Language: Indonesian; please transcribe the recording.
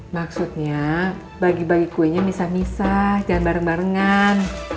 maksudnya bagi bagi kuenya misah misah jangan bareng barengan